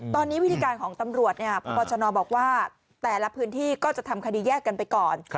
ตอนนี้วิธีการของตำรวจพบชนบอกว่าแต่ละพื้นที่ก็จะทำคดีแยกกันไปก่อน